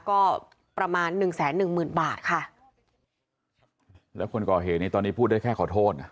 ก็ประมาณหนึ่งแสนหนึ่งหมื่นบาทค่ะแล้วคนก่อเหตุนี้ตอนนี้พูดได้แค่ขอโทษนะ